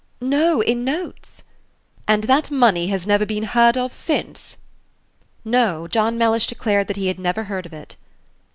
"No, in notes." "And that money has never been heard of since?" No; John Mellish declared that he had never heard of it.